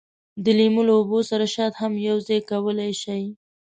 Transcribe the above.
د لیمو له اوبو سره شات هم یوځای کولای شئ.